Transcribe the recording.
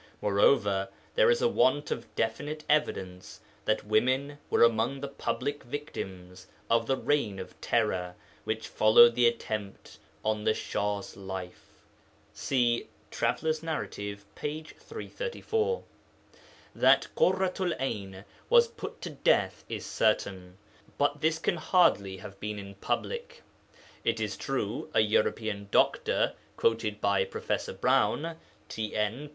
Moreover, there is a want of definite evidence that women were among the public victims of the 'reign of Terror' which followed the attempt on the Shah's life (cp. TN, p. 334). That Ḳurratu'l 'Ayn was put to death is certain, but this can hardly have been in public. It is true, a European doctor, quoted by Prof. Browne (TN, p.